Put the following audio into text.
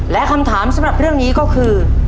และคำถามสำหรับเรื่องนี้ก็คือ